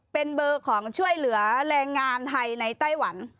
เป็นเบอร์ของช่วยเหลือแรงงานไทยในไต้หวัน